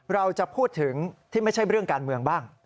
เราจะพูดถึงที่ไม่ใช่เรื่องการเมืองบ้าง